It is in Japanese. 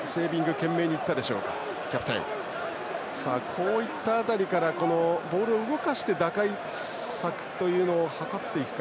こういった辺りからボールを動かして打開策というのを図っていくか。